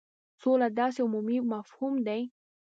سوله داسي عمومي مفهوم دی.